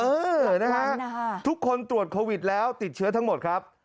เออนะฮะทุกคนตรวจโควิดแล้วติดเชื้อทั้งหมดครับ